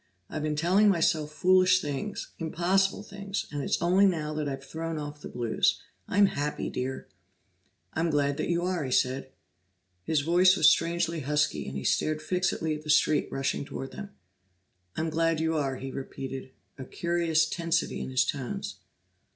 I've been telling myself foolish things, impossible things, and it's only now that I've thrown off the blues. I'm happy, Dear!" "I'm glad you are," he said. His voice was strangely husky, and he stared fixedly at the street rushing toward them. "I'm glad you are," he repeated, a curious tensity in his tones.